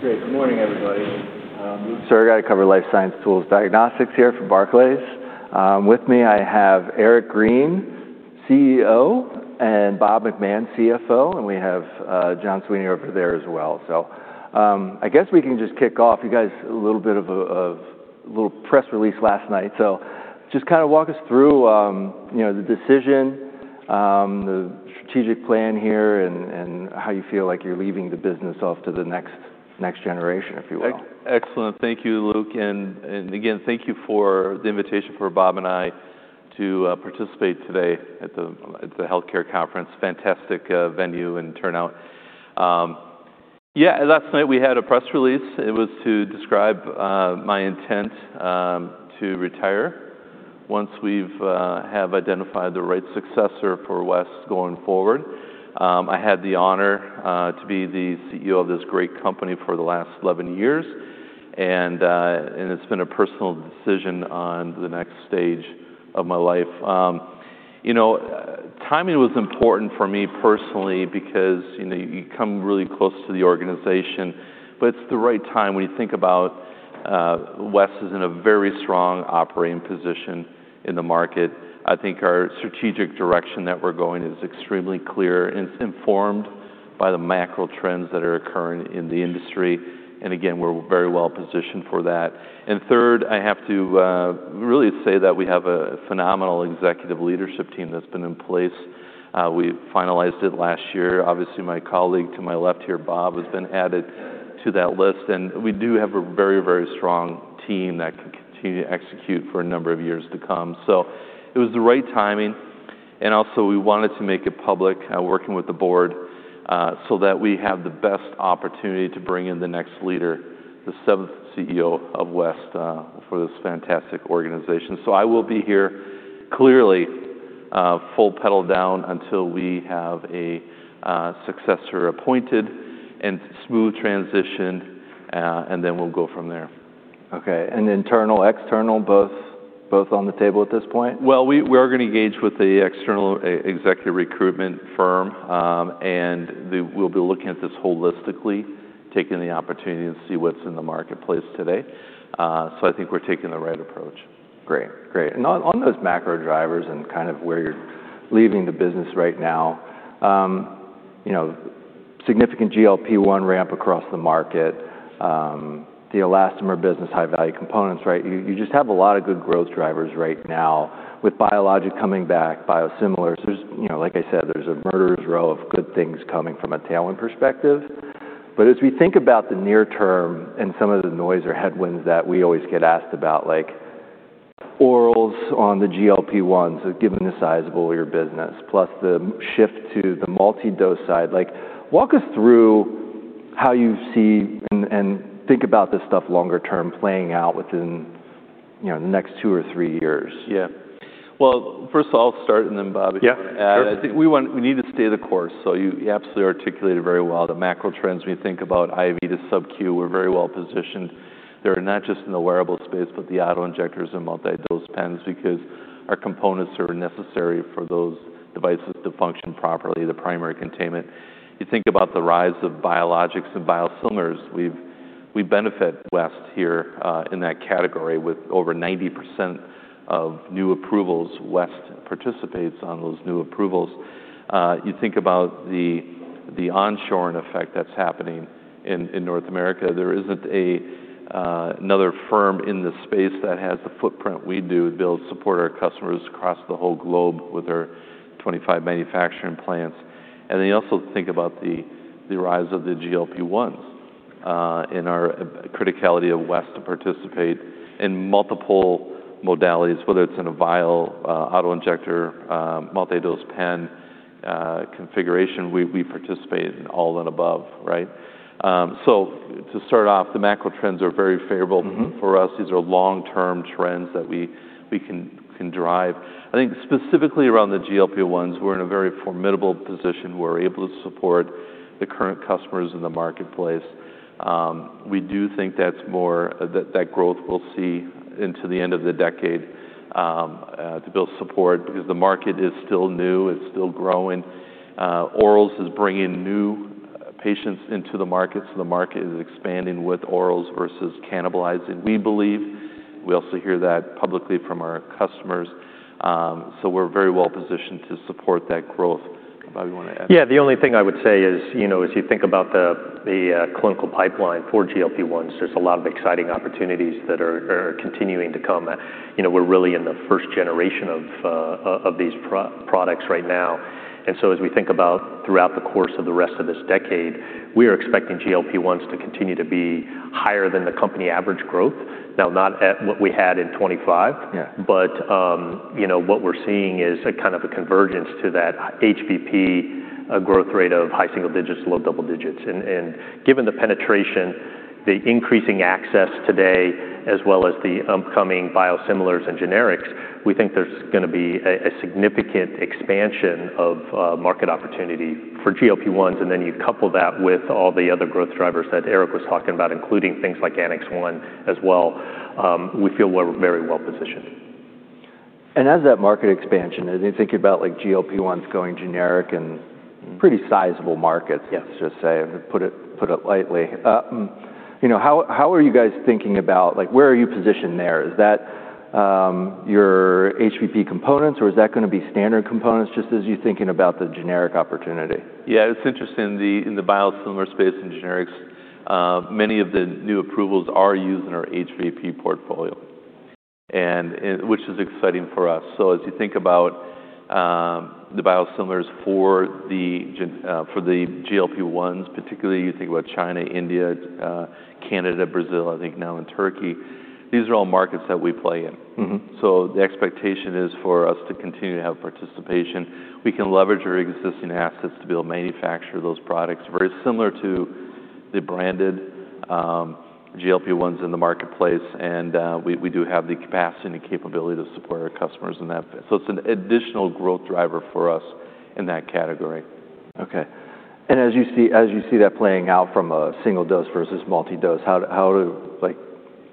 Great. Good morning, everybody. We're gonna cover life science tools diagnostics here for Barclays. With me, I have Eric Green, CEO, and Bob McMahon, CFO, and we have John Sweeney over there as well. I guess we can just kick off. You guys, a little bit of a little press release last night. Just kinda walk us through, you know, the decision, the strategic plan here, and how you feel like you're leaving the business off to the next generation, if you will. Excellent. Thank you, Luke, and again, thank you for the invitation for Bob and I to participate today at the healthcare conference. Fantastic venue and turnout. Last night we had a press release. It was to describe my intent to retire once we've identified the right successor for West going forward. I had the honor to be the CEO of this great company for the last 11 years, and it's been a personal decision on the next stage of my life. You know, timing was important for me personally because you come really close to the organization, but it's the right time when you think about West is in a very strong operating position in the market. I think our strategic direction that we're going is extremely clear, and it's informed by the macro trends that are occurring in the industry. Again, we're very well-positioned for that. Third, I have to really say that we have a phenomenal executive leadership team that's been in place. We finalized it last year. Obviously, my colleague to my left here, Bob, has been added to that list. We do have a very, very strong team that can continue to execute for a number of years to come. It was the right timing, and also we wanted to make it public, working with the board, so that we have the best opportunity to bring in the next leader, the seventh CEO of West, for this fantastic organization. I will be here clearly full pedal down until we have a successor appointed and smooth transition, and then we'll go from there. Okay. Internal, external, both on the table at this point? Well, we are gonna engage with the external executive recruitment firm, and we'll be looking at this holistically, taking the opportunity to see what's in the marketplace today. I think we're taking the right approach. Great. On those macro drivers and kind of where you're leaving the business right now, you know, significant GLP1 ramp across the market, the elastomer business, high-value components, right? You just have a lot of good growth drivers right now with biologic coming back, biosimilars. You know, like I said, there's a murderer's row of good things coming from a tailwind perspective. But as we think about the near term and some of the noise or headwinds that we always get asked about, like orals on the GLP1, so given the size of all your business, plus the shift to the multi-dose side. Like, walk us through how you see and think about this stuff longer term playing out within, you know, the next two or three years. Yeah. Well, first of all, I'll start and then Bob— Yeah. Sure …you can add. I think we need to stay the course. You absolutely articulated very well the macro trends when you think about IV to subQ. We're very well positioned. They're not just in the wearable space, but the auto-injectors and multi-dose pens because our components are necessary for those devices to function properly, the primary containment. You think about the rise of biologics and biosimilars. We benefit West here in that category with over 90% of new approvals, West participates on those new approvals. You think about the onshoring effect that's happening in North America. There isn't another firm in this space that has the footprint we do to best support our customers across the whole globe with our 25 manufacturing plants. You also think about the rise of the GLP1s and our criticality of West to participate in multiple modalities, whether it's in a vial, auto-injector, multi-dose pen, configuration. We participate in all of the above, right? To start off, the macro trends are very favorable. Mm-hmm. For us. These are long-term trends that we can drive. I think specifically around the GLP1s, we're in a very formidable position. We're able to support the current customers in the marketplace. We do think that growth we'll see into the end of the decade to build support because the market is still new. It's still growing. Orals is bringing new patients into the market, so the market is expanding with orals versus cannibalizing, we believe. We also hear that publicly from our customers. We're very well-positioned to support that growth. Bob, you wanna add? Yeah. The only thing I would say is, you know, as you think about the clinical pipeline for GLP1s, there's a lot of exciting opportunities that are continuing to come. You know, we're really in the first generation of these products right now. As we think about throughout the course of the rest of this decade, we are expecting GLP1s to continue to be higher than the company average growth. Now, not at what we had in 2025. Yeah. You know, what we're seeing is a kind of a convergence to that HVP growth rate of high single digits to low double digits. Given the penetration, the increasing access today, as well as the upcoming biosimilars and generics, we think there's gonna be a significant expansion of market opportunity for GLP-1s. You couple that with all the other growth drivers that Eric was talking about, including things like Annex 1 as well, we feel we're very well-positioned. As that market expansion, as you think about like GLP-1s going generic and pretty sizable markets. Yes Let's just say, put it lightly. You know, how are you guys thinking about, like, where are you positioned there? Is that your HVP components, or is that gonna be standard components just as you're thinking about the generic opportunity? Yeah. It's interesting. In the biosimilar space in generics, many of the new approvals are using our HVP portfolio. Which is exciting for us. As you think about the biosimilars for the GLP-1s particularly, you think about China, India, Canada, Brazil. I think now in Turkey, these are all markets that we play in. Mm-Hmm. The expectation is for us to continue to have participation. We can leverage our existing assets to be able to manufacture those products very similar to the branded GLP-1s in the marketplace. We do have the capacity and the capability to support our customers in that. It's an additional growth driver for us in that category. Okay. As you see that playing out from a single-dose versus multi-dose. Like,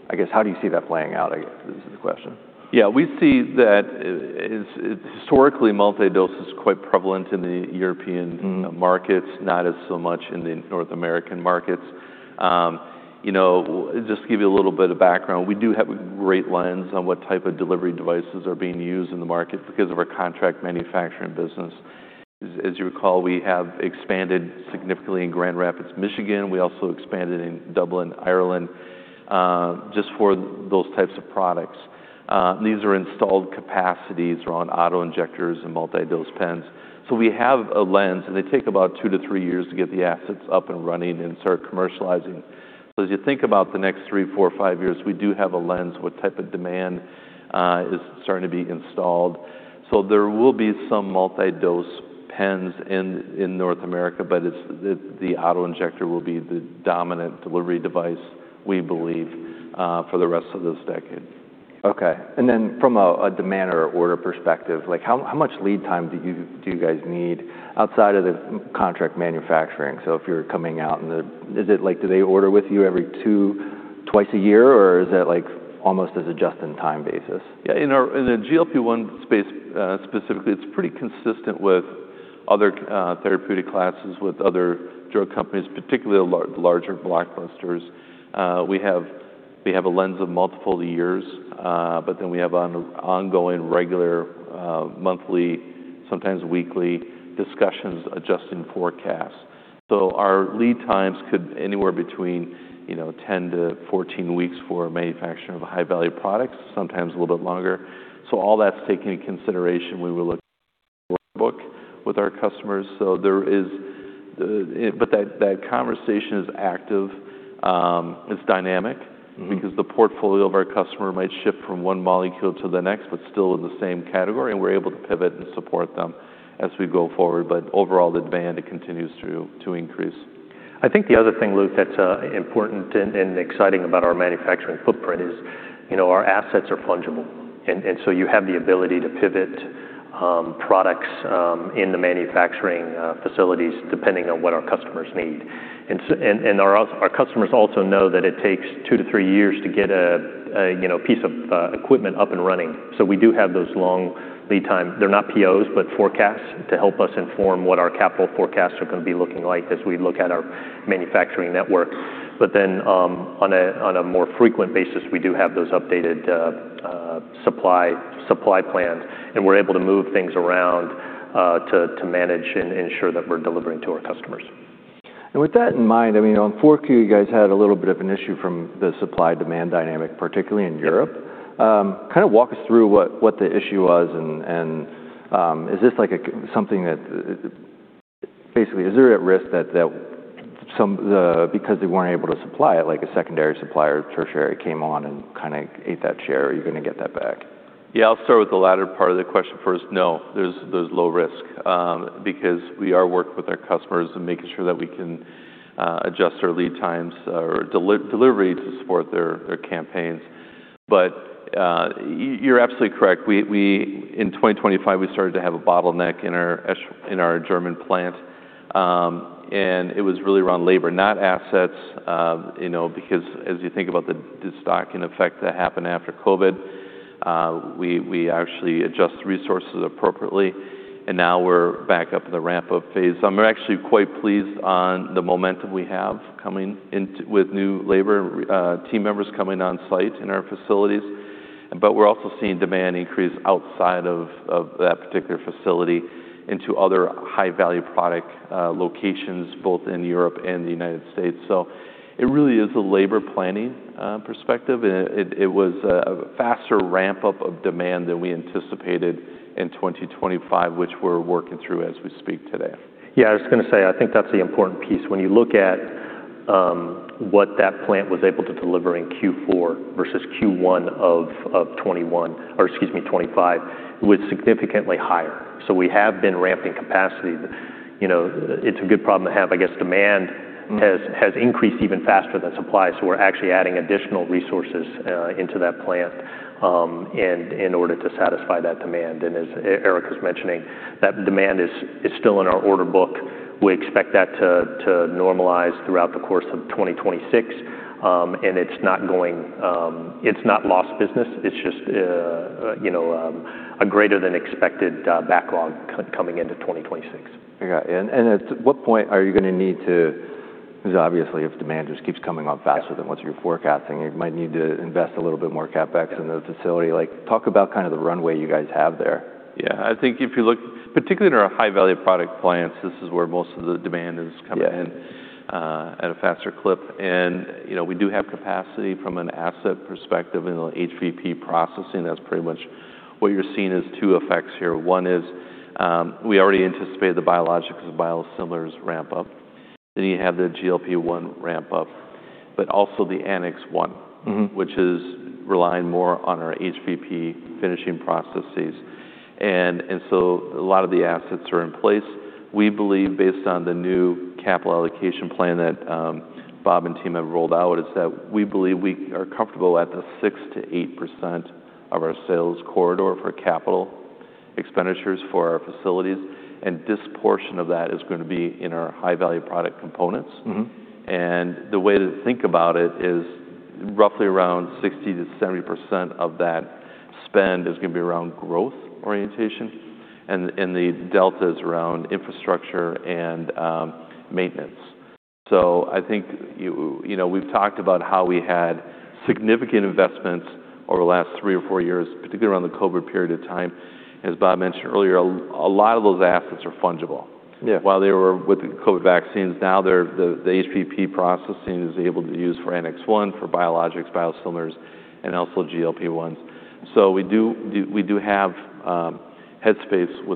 I guess, how do you see that playing out, I guess, is the question. Yeah. We see that it's historically multi-dose is quite prevalent in the European- Mm-Hmm. …markets, not so much in the North American markets. You know, just to give you a little bit of background, we do have a great lens on what type of delivery devices are being used in the market because of our contract manufacturing business. As you recall, we have expanded significantly in Grand Rapids, Michigan. We also expanded in Dublin, Ireland, just for those types of products. These are installed capacities around auto-injectors and multi-dose pens. We have a lens, and they take about two to three years to get the assets up and running and start commercializing. As you think about the next three, four, five years, we do have a lens what type of demand is starting to be installed. There will be some multi-dose pens in North America, but it's the auto-injector will be the dominant delivery device, we believe, for the rest of this decade. Okay. From a demand or order perspective, like, how much lead time do you guys need outside of the contract manufacturing? Is it like, do they order with you every two, twice a year, or is it like almost as a just-in-time basis? Yeah. In the GLP-1 space, specifically, it's pretty consistent with other therapeutic classes with other drug companies, particularly larger blockbusters. We have a lens of multiple years, but then we have an ongoing regular, monthly, sometimes weekly discussions adjusting forecasts. Our lead times could anywhere between, you know, 10-14 weeks for manufacturing of a High-Value Product, sometimes a little bit longer. All that's taken in consideration when we look at our order book with our customers. That conversation is active, it's dynamic. Hmmm. …because the portfolio of our customer might shift from one molecule to the next, but still in the same category, and we're able to pivot and support them as we go forward. Overall, the demand continues to increase. I think the other thing, Luke, that's important and exciting about our manufacturing footprint is, you know, our assets are fungible. You have the ability to pivot products in the manufacturing facilities depending on what our customers need. Our customers also know that it takes two to three years to get a piece of equipment up and running. We do have those long lead time. They're not POs, but forecasts to help us inform what our capital forecasts are gonna be looking like as we look at our manufacturing network. On a more frequent basis, we do have those updated supply plans, and we're able to move things around to manage and ensure that we're delivering to our customers. With that in mind, in 4Q, there was a supply-demand issue in Europe. Can you walk us through what happened? Also, is there a risk that secondary or tertiary suppliers took some of your share? Will you get that back? No, the risk is low. We are working closely with customers to adjust lead times and deliveries to support their campaigns. In 2025, our German plant faced a labor bottleneck—not an asset issue. After COVID, we adjusted resources and are now in the ramp-up phase. The momentum with new team members coming on-site is strong. Demand is also increasing at other high-value product locations in Europe and the U.S. The issue was a faster ramp-up of demand than anticipated, which we are resolving. When comparing Q4 to Q1 2025, plant output was significantly higher. We have been ramping capacity—it’s a good problem to have: demand is growing faster than supply. We are adding resources to satisfy that demand, which remains in our order book. We expect normalization in 2026; it’s not lost business, just a larger backlog. Hmmm.... has increased even faster than supply, so we're actually adding additional resources into that plant in order to satisfy that demand. As Eric was mentioning, that demand is still in our order book. We expect that to normalize throughout the course of 2026. It's not lost business. It's just, you know, a greater than expected backlog coming into 2026. At what point will more resources be needed? If demand continues to grow faster than forecast, will you need more CapEx? Can you talk about the runway for that? Most demand comes from our High-Value Product plants. From an asset perspective, we have capacity. The effects you see are due to the biologics and biosimilars ramp-up, the GLP-1 ramp-up, and Annex 1, which relies more on HVP finishing processes. Mm-Hmm Assets are mostly in place. Based on Bob and team’s capital plan, we are comfortable at 6%-8% of sales for facility CapEx, with a portion allocated to HVP components. Mm-Hmm About 60%-70% of spend is growth-oriented; the rest is infrastructure and maintenance. Past investments, especially during COVID, make many assets fungible. Yeah. HVP processing used for COVID vaccines is now available for Annex 1, biologics, biosimilars, and GLP-1. Constraints were mostly labor, now normalizing. The 6%-8% CapEx corridor will support comfortable growth. Also, there is a trend of onshoring, moving production from Europe to the U.S. We are transferring some formulations to U.S.-based plants to reduce tariffs and balance capacity. Capital expansion will continue, but not drastically. Mm-Hmm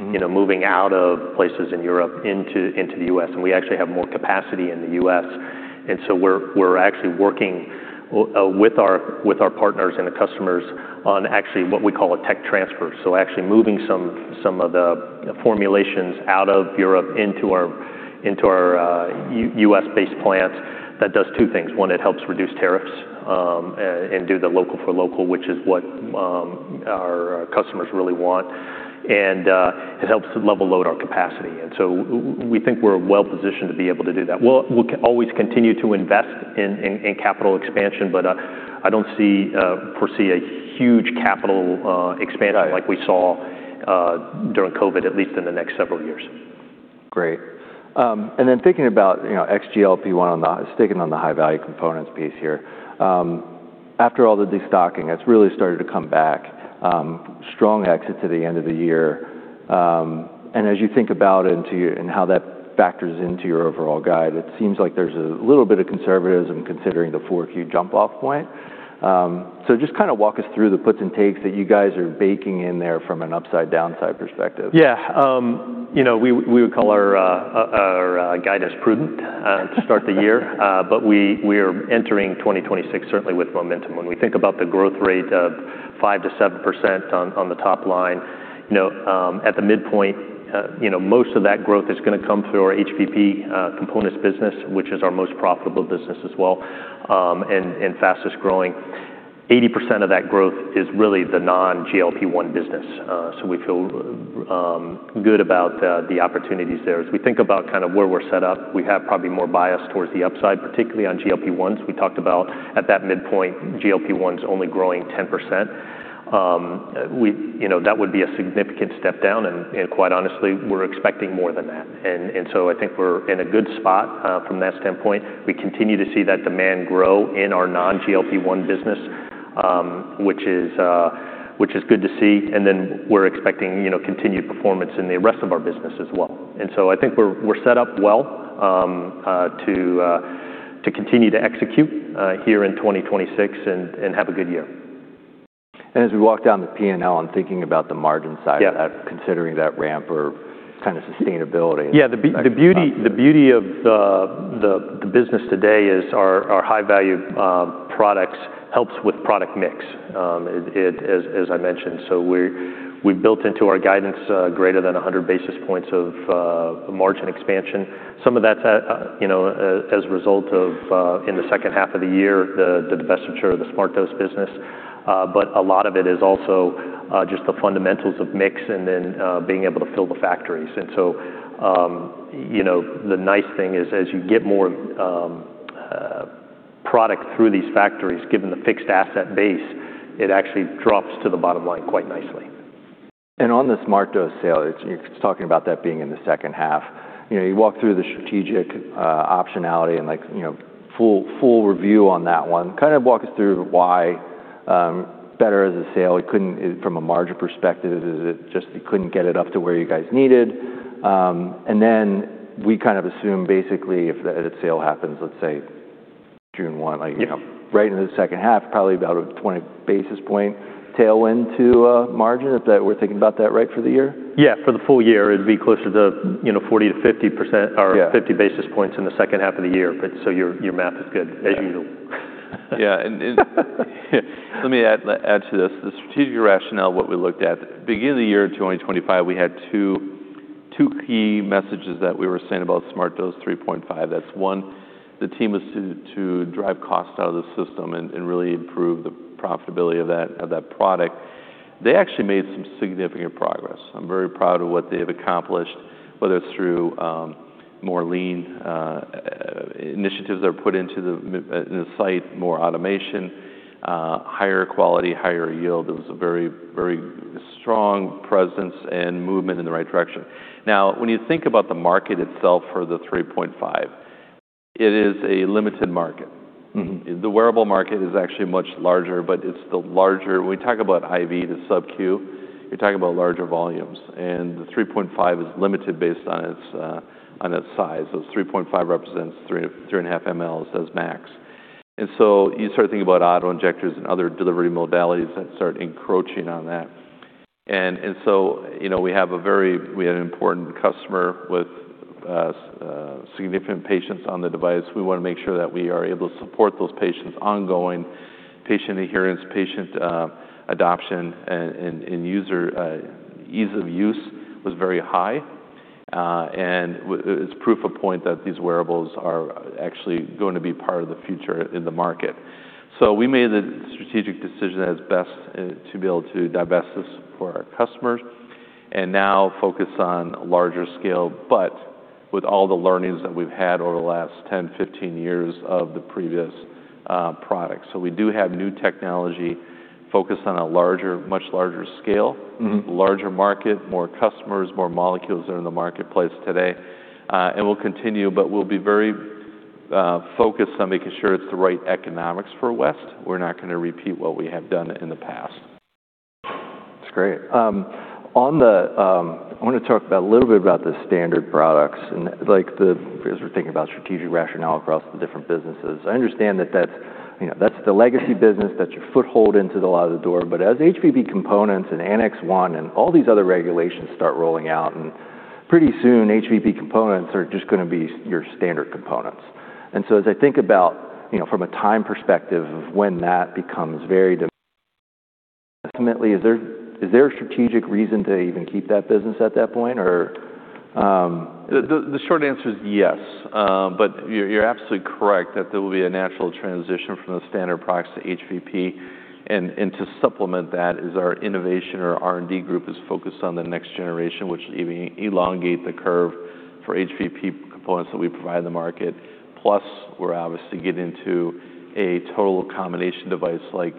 You know, moving out of places in Europe into the US, and we actually have more capacity in the US. We're actually working with our partners and the customers on actually what we call a tech transfer. Actually moving some of the formulations out of Europe into our US-based plants. That does two things. One, it helps reduce tariffs and do the local for local, which is what our customers really want. It helps to level load our capacity. We think we're well-positioned to be able to do that. We'll always continue to invest in capital expansion, but I don't foresee a huge capital expansion. Yeah Like we saw during COVID, at least in the next several years. Thinking about non-GLP-1 HVP products, your guidance seems conservative considering the 4Q jump. Can you walk us through upside and downside factors? Our guidance is prudent to start 2026. We expect 5%-7% top-line growth, mostly from HVP components. About 80% of growth comes from non-GLP-1 products. We have bias toward upside, especially for GLP-1s, which are only growing 10% at midpoint. We expect more than 10% growth for GLP-1s. Demand in non-GLP-1 businesses continues to grow, setting us up well for 2026. As we walk down the P&L, I'm thinking about the margin side. Yeah of that, considering that ramp or kinda sustainability. The beauty of the business today is our high value products helps with product mix, as I mentioned. So we've built into our guidance greater than 100 basis points of margin expansion. Some of that's as a result of, in the second half of the year, the divestiture of the Smart Dose business. But a lot of it is also just the fundamentals of mix and then being able to fill the factories. And so the nice thing is as you get more and more product through these factories, given the fixed asset base, it actually drops to the bottom line quite nicely. And on the SmartDose sale, it's talking about that being in the second half. You walk through the strategic optionality and full review on that one, kind of walk us through why better as a sale, from a margin perspective, is it just you couldn't get it up to where you guys needed? And then we kind of assume basically, if the sale happens, let's say, June 1, right in the second half, Yeah. probably about a 20 basis point tailwind to a margin, we're thinking about that right for the year? Yes. Full year closer to 40%-50%, or 50 basis points in the second half. Yeah 50 basis points in the second half of the year. Your math is good as usual. The strategic rationale: early 2025, focus was driving costs out and improving profitability for SmartDose 3.5. The team made progress via lean initiatives, automation, and quality improvements. The market for 3.5 mL is limited; larger auto-injectors are taking share. Our decision allows focus on larger scale, using lessons from past products. Mm-Hmm Wearable market is larger. The 3.5 mL device supports important customers, adherence, and ease of use. Strategic decision: divest 3.5 mL, focus on larger scale with new technology, more molecules, and better economics. Mm-Hmm Larger market, more customers, more molecules that are in the marketplace today. We'll continue, but we'll be very focused on making sure it's the right economics for West. We're not gonna repeat what we have done in the past. Standard Products: legacy business. As HVP and Annex 1 roll out, HVP will become standard. Any strategic reason to keep legacy business long-term? Yes. There will be a natural transition from Standard Products to HVP. Our innovation and R&D group is focused on next-generation products, extending the HVP curve. We’re also launching total combination devices like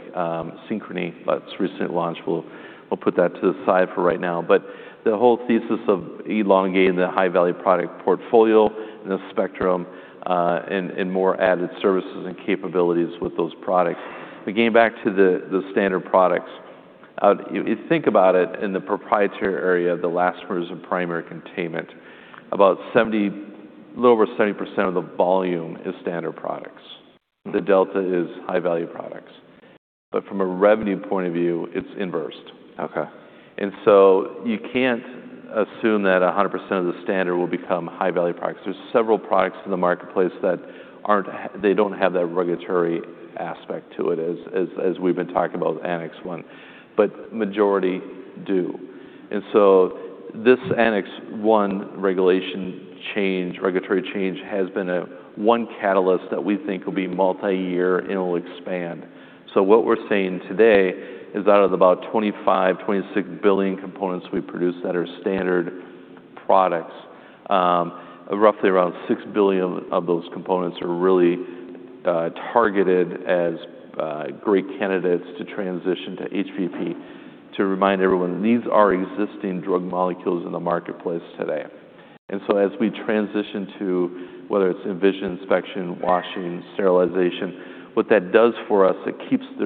Synchrony, which we’ll set aside for now. The strategy is to elongate the HVP portfolio and add services and capabilities. For Standard Products, particularly proprietary and primary containment, over 70% of volume is Standard Products; the rest is HVP. From a revenue perspective, it's inversed. Okay. And so you can't assume 100% of the standard will become high value products. Not all Standard Products will become HVP. There's several products in the marketplace that aren't, they don't have that regulatory aspect to it as, as, as we've been talking about Annex 1, but majority do. And so this Annex 1 regulation change, regulatory change has been a one catalyst that we think will be multi-year it'll expand. So what we're saying today is out of about 25, 26 billion components we've produced that are standard products, roughly around 6 billion of those components are really targeted as a great candidates to transition to HVP to remind everyone, these are existing drug molecules in the marketplace today. As we transition to whether it's Envision, inspection, washing, and sterilization, the original drug formulation remains intact. This avoids reopening the FDA filing process, making transitions easier. Yeah.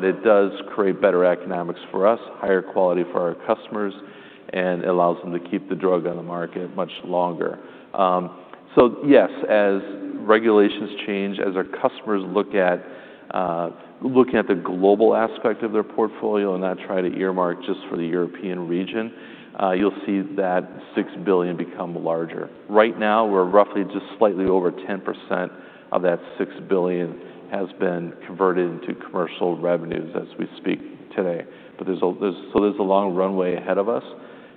This creates better economics for us, higher quality for customers, and keeps drugs on the market longer. As regulations evolve and customers consider global portfolios, the $6 billion target will grow. Currently, just over 10% of that has converted into commercial revenues. The runway is long,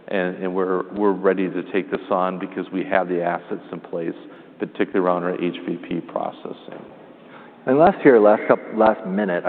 and our HVP processing assets are ready. Thinking about the 2026 guidance, approvals are coming slower in Q1. How does that factor into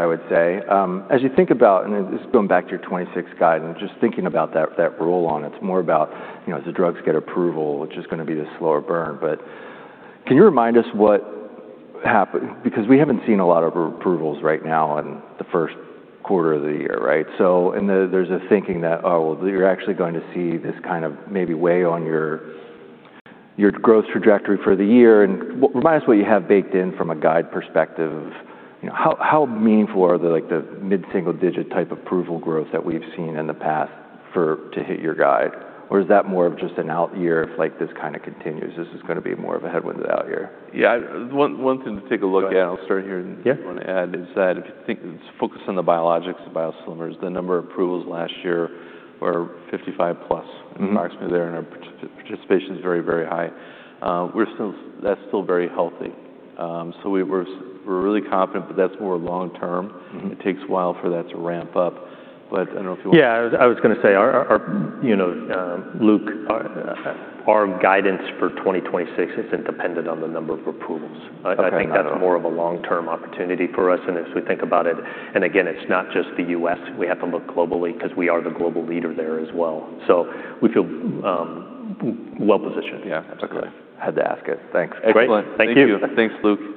your growth trajectory? What assumptions are baked into the guide regarding mid-single-digit approval growth? Is this more of an out-year headwind if the trend continues? Yeah. One thing to take a look at. Go ahead. I'll start here. Yeah If you focus on biologics and biosimilars, there were over 55 approvals last year. Mm-Hmm Approximately there, and our participation is very, very high. That's still very healthy. We're really confident, but that's more long term. Mm-Hmm It takes a while for that to ramp up. I don't know if you want- Yeah. I was gonna say our you know Luke our guidance for 2026 isn't dependent on the number of approvals. Okay. Got it. I think that's more of a long-term opportunity for us. As we think about it, and again, it's not just the U.S., we have to look globally because we are the global leader there as well. We feel well positioned. Yeah. Okay. Had to ask it. Thanks. Excellent. Great. Thank you. Thanks, Luke.